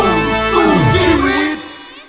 สวัสดีครับ